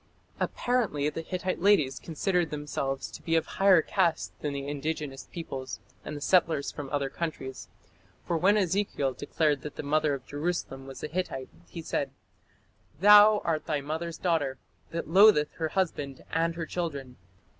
Apparently the Hittite ladies considered themselves to be of higher caste than the indigenous peoples and the settlers from other countries, for when Ezekiel declared that the mother of Jerusalem was a Hittite he said: "Thou art thy mother's daughter, that lotheth her husband and her children."